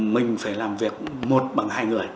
mình phải làm việc một bằng hai người